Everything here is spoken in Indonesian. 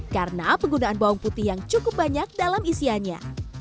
karena penggunaan bawang putih yang cukup banyak dalam isiannya